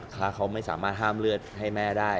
ขาเขาไม่สามารถห้ามเลือดให้แม่ได้